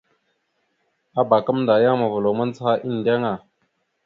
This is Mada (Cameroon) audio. Abak gamənda yan mavəlaw mandzəha endeŋa.